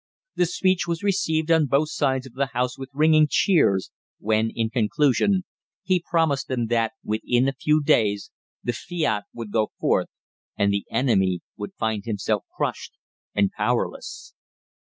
The speech was received on both sides of the House with ringing cheers when, in conclusion, he promised them that, within a few days, the fiat would go forth, and the enemy would find himself crushed and powerless.